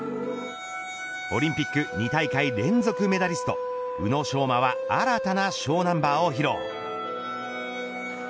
オリンピック２大会連続メダリスト宇野昌磨は新たなショーナンバーを披露。